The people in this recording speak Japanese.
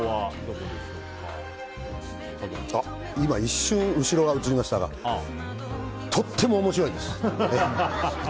今、一瞬後ろが映りましたがとっても面白いです。